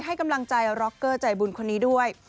ให้กำลังใจร็อกเกอร์ใจบุญคนนี้ด้วย